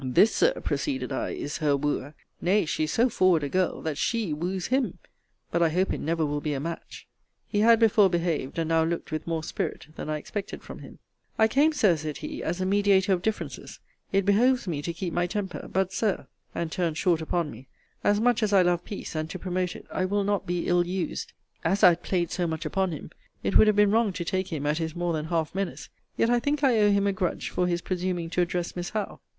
This, Sir, proceeded I, is her wooer! Nay, she is so forward a girl, that she wooes him: but I hope it never will be a match. He had before behaved, and now looked with more spirit than I expected from him. I came, Sir, said he, as a mediator of differences. It behoves me to keep my temper. But, Sir, and turned short upon me, as much as I love peace, and to promote it, I will not be ill used. As I had played so much upon him, it would have been wrong to take him at his more than half menace: yet I think I owe him a grudge, for his presuming to address Miss Howe.